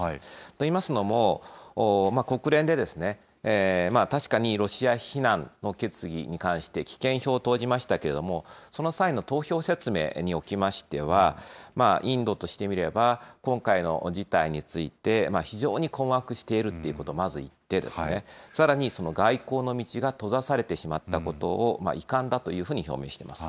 といいますのも、国連で、確かにロシア非難の決議に関して棄権票を投じましたけれども、その際の投票説明におきましては、インドとしてみれば、今回の事態について、非常に困惑しているということをまず言って、さらにその外交の道が閉ざされてしまったことを遺憾だというふうに表明しています。